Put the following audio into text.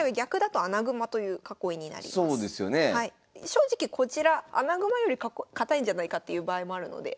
正直こちら穴熊より堅いんじゃないかっていう場合もあるので。